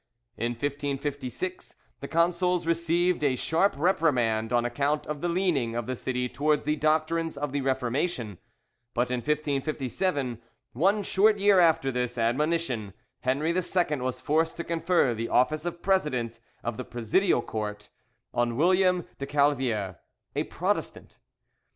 In 1556 the consuls received a sharp reprimand on account of the leaning of the city towards the doctrines of the Reformation; but in 1557, one short year after this admonition, Henri II was forced to confer the office of president of the Presidial Court on William de Calviere, a Protestant.